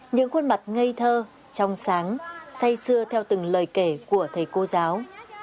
những khuôn mặt ngây thơ trong sáng say xưa theo từng lời kể của thầy cô giáo